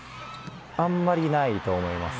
あんまりないと思います。